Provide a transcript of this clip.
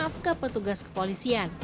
maaf ke petugas kepolisian